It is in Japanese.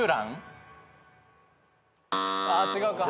あ違うか。